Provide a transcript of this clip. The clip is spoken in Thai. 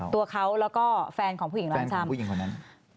ตัวเขาและก็แฟนของผู้หญิงร้อนชำ